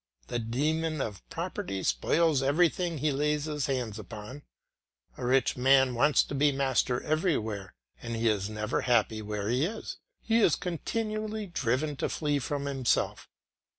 The demon of property spoils everything he lays hands upon. A rich man wants to be master everywhere, and he is never happy where he is; he is continually driven to flee from himself.